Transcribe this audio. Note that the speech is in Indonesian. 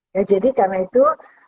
ya jadi karena itu